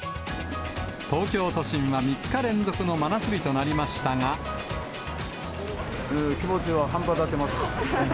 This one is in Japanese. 東京都心は３日連続の真夏日気持ちは半分当たってます。